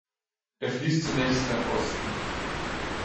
Er fließt zunächst nach Osten.